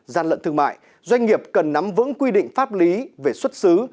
gian lận thương mại doanh nghiệp cần nắm vững quy định pháp lý về xuất xứ